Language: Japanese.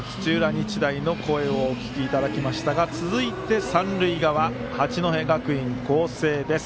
日大の声をお届けしましたが続いて、三塁側八戸学院光星です。